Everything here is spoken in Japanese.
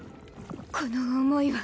この思いは。